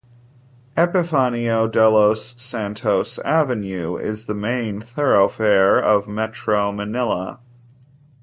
Epifanio Delos Santos Avenue is the main thoroughfare of Metro Manila.